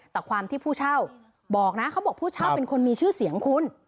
แต่ความที่ผู้เช่าบอกนะเขาบอกผู้เช่าเป็นคนมีชื่อเสียงคุณ